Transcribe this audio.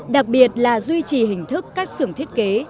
đặc biệt là duy trì hình thức các xưởng thiết kế